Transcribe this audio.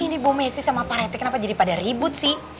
ini bu messi sama parenti kenapa jadi pada ribut sih